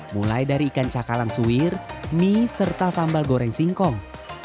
mulai dari ikan cakalang suwir mie serta sambal goreng singkong